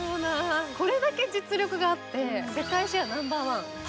これだけ実力があって世界シェアナンバーワン？